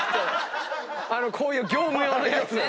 こういう業務用のやつを。